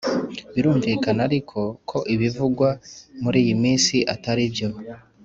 Birumvikana ariko ko ibivugwa muri iyi minsi ataribyo